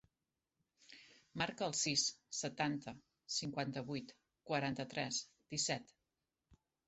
Marca el sis, setanta, cinquanta-vuit, quaranta-tres, disset.